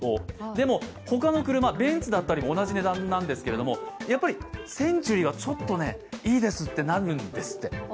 でも他の車、ベンツだったりも同じ値段なんですけどやっぱりセンチュリーは、ちょっといいですってなるんですって。